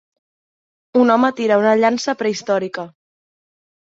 Un home tira una llança prehistòrica.